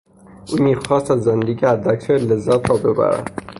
او میخواست از زندگی حداکثر لذت را ببرد.